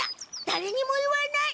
だれにも言わない。